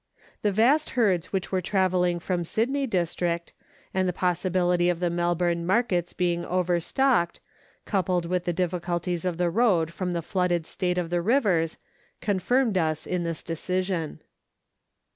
The vast herds which were travelling from the Sydney district, and the probability of the Melbourne markets being overstocked, coupled with the difficulties of the road from the flooded state of the rivers, confirmed us in this decision.